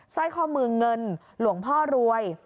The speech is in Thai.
สร้อยข้อมือเงินหลวงพ่อรวย